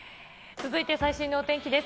続いて最新のお天気です。